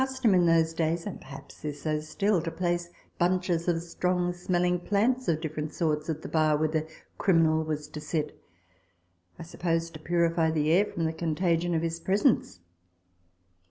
TABLE TALK OF SAMUEL ROGERS 89 in those days (and perhaps is so still) to place bunches of strong smelling plants of different sorts at the bar where the criminal was to sit (I suppose to purify the air from the contagion of his presence!).